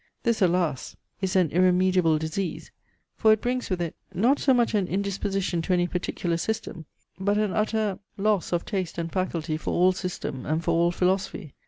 This alas! is an irremediable disease, for it brings with it, not so much an indisposition to any particular system, but an utter loss of taste and faculty for all system and for all philosophy.